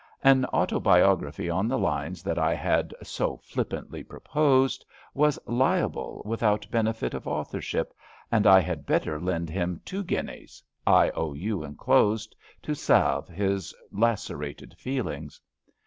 An autobiography on the lines that I had so flippantly proposed *' was libel without benefit of authorship, and I had better lend him two guineas — ^I.O.U. enclosed — to salve his lacerated feelings.